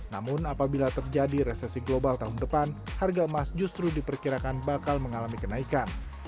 namun apabila terjadi resesi global tahun depan harga emas justru diperkirakan bakal mengalami kenaikan